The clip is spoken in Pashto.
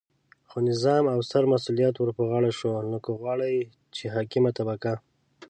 خو نظام او ستر مسؤلیت ورپه غاړه شو، نو که غواړئ چې حاکمه طبقه